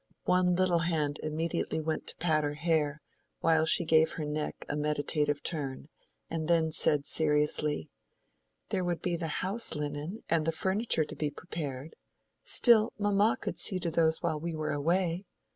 One little hand immediately went to pat her hair, while she gave her neck a meditative turn, and then said seriously— "There would be the house linen and the furniture to be prepared. Still, mamma could see to those while we were away."